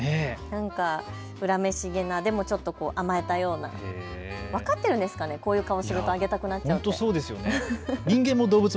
恨めしげな、でもちょっと甘えたような、分かっているんですかね、こんな顔をするとあげたくなっちゃうって。